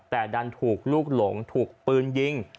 แต่ดันถูกลูกหลงถูกปืนยิง